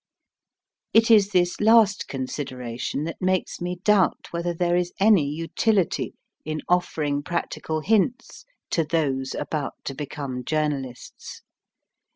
It is this last consideration that makes me doubt whether there is any utility in offering practical hints "To Those about to become Journalists."